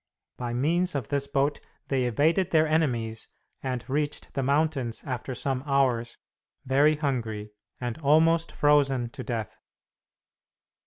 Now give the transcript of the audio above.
By means of this boat they evaded their enemies, and reached the mountains after some hours, very hungry, and almost frozen to death.